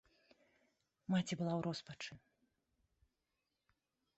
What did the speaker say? Маці была ў роспачы.